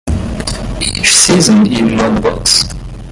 Each season in one box.